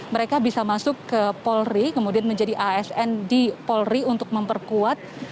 mereka bisa masuk ke polri kemudian menjadi asn di polri untuk memperkuat